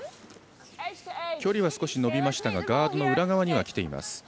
距離は少し伸びましたがガードの裏側には来ています。